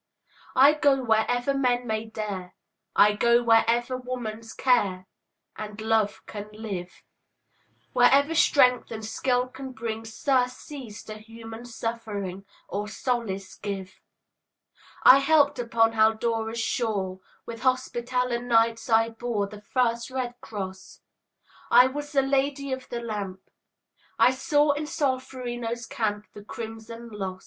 I go wherever men may dare, I go wherever woman's care And love can live, Wherever strength and skill can bring Surcease to human suffering, Or solace give. I helped upon Haldora's shore; With Hospitaller Knights I bore The first red cross; I was the Lady of the Lamp; I saw in Solferino's camp The crimson loss.